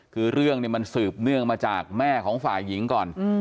คือเรื่องนี้มันสืบเนื่องมาจากแม่ของฝ่ายหญิงก่อน